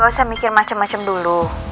gue usah mikir macem macem dulu